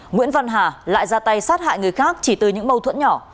nguyễn văn hà lại ra tay sát hại người khác chỉ từ những mâu thuẫn nhỏ